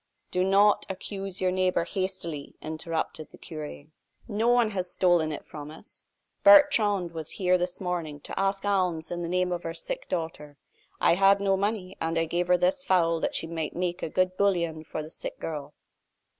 "Do not accuse your neighbor hastily," interrupted the cure; "no one has stolen it from us. Bertrande was here this morning to ask alms in the name of her sick daughter. I had no money, and I gave her this fowl that she might make a good bouillon for the sick girl."